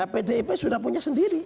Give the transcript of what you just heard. pdip sudah punya sendiri